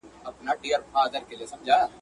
چي تل نوي کفن کښ یو زورولي.